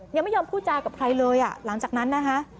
ยังไม่ยอมพูดจากับใครเลยอ่ะหลังจากนั้นนะคะ